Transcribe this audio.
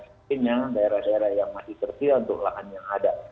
sepertinya daerah daerah yang masih tersedia untuk lahan yang ada